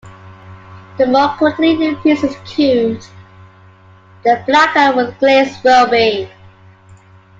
The more quickly a piece is cooled, the blacker the glaze will be.